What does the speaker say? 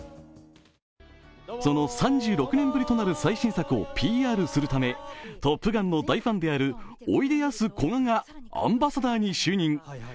その３６年ぶりとなる最新作をＰＲするため「トップガン」の大ファンであるおいでやすこががアンバサダーに就任。